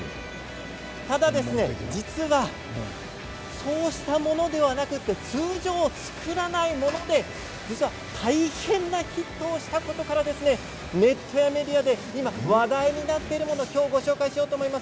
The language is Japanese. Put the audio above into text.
ただ実はそうしたものではなくて通常、作らないもので実は大変なヒットをしたことからネットやメディアで今話題になっているものを今日ご紹介しようと思います。